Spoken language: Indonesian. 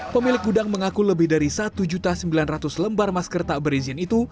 pemilik gudang mengaku lebih dari satu sembilan ratus lembar masker tak berizin itu